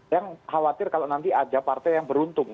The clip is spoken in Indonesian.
yang khawatir kalau nanti ada partai yang beruntung